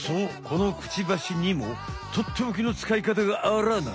このクチバシにもとっておきのつかいかたがあらな。